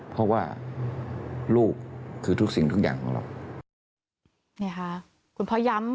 เพราะว่าลูกคือทุกสิ่งทุกอย่างของเรา